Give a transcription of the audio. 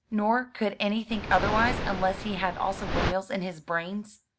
Nor could any think otherwise, unless he had also windmills in his brains."